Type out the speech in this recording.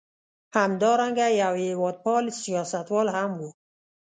همدارنګه یو هېواد پال سیاستوال هم و.